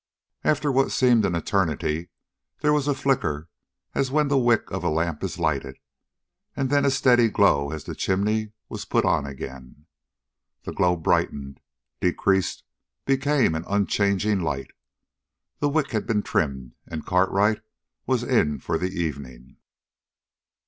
After what seemed an eternity, there was a flicker, as when the wick of a lamp is lighted, and then a steady glow as the chimney was put on again. That glow brightened, decreased, became an unchanging light. The wick had been trimmed, and Cartwright was in for the evening.